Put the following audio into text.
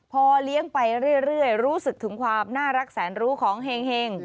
พอเลี้ยงไปเรื่อยรู้สึกถึงความน่ารักแสนรู้ของเห็ง